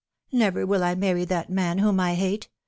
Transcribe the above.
Never will I marry that man whom I hate.